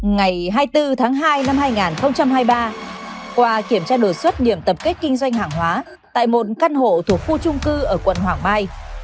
ngày hai mươi bốn tháng hai năm hai nghìn hai mươi ba qua kiểm tra đột xuất điểm tập kết kinh doanh hàng hóa tại một căn hộ thuộc khu trung cư ở quận hoàng mai